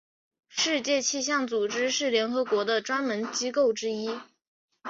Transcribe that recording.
世界气象组织是联合国的专门机构之一。